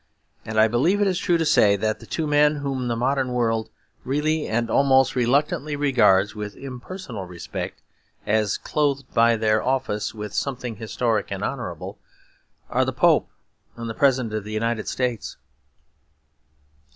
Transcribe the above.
And I believe it is true to say that the two men whom the modern world really and almost reluctantly regards with impersonal respect, as clothed by their office with something historic and honourable, are the Pope and the President of the United States.